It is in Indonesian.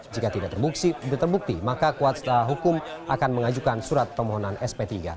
jika tidak terbukti maka kuasa hukum akan mengajukan surat permohonan sp tiga